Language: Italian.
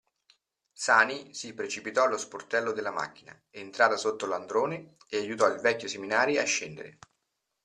Sani si precipitò allo sportello della macchina, entrata sotto l'androne, e aiutò il vecchio Seminari a scendere.